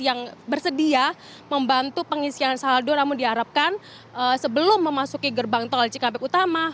yang bersedia membantu pengisian saldo namun diharapkan sebelum memasuki gerbang tol cikampek utama